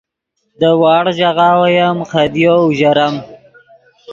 دے وڑغ ژاغہ اویم خدیو اوژرم